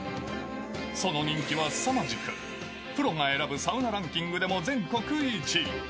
その人気はすさまじく、プロが選ぶサウナランキングでも、全国１位。